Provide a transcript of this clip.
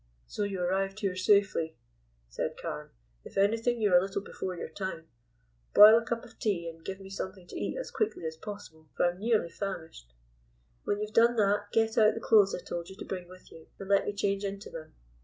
"So you arrived here safely," said Carne. "If anything you're a little before your time. Boil a cup of tea, and give me something to eat as quickly as possible, for I am nearly famished. When you have done that, get out the clothes I told you to bring with you, and let me change into them.